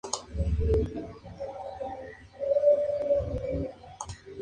Posteriormente estudió en Dresden, Gotinga y Heidelberg.